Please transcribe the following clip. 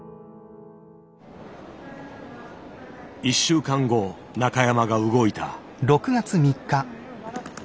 １週間後中山が動いた。